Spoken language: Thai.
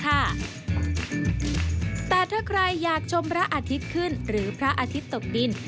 แต่ถ้าใครอยากชมพระอาทิตย์ขึ้นหรือพระอาทิตย์ตกดิน